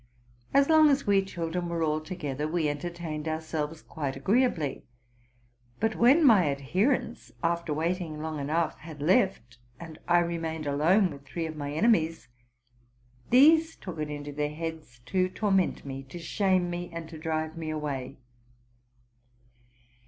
As long as we children were all together, we entertained ourselves quite agreeably ; but when my adher ents, after waiting long enough, had left, and I remained alone with three of my enemies, these took it into their heads to torment me, to shame me, and to drive me away.